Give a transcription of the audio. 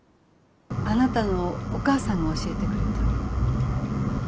あなたのお母さんが教えてくれた。